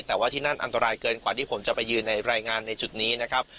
แต่ว่าที่นั่นอันตรายเกินกว่าที่ผมจะไปยืนในรายงานในจุดนี้นะครับ